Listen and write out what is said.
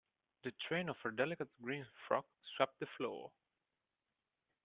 The train of her delicate green frock swept the floor.